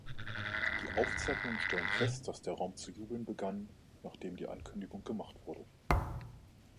Die Aufzeichnungen stellen fest, dass der Raum zu jubeln begann, nachdem die Ankündigung gemacht wurde.